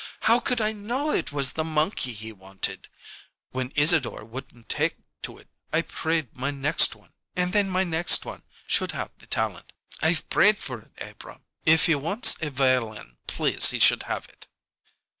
How could I know it was the monkey he wanted? When Isadore wouldn't take to it I prayed my next one, and then my next one, should have the talent. I've prayed for it, Abrahm. If he wants a violin, please, he should have it."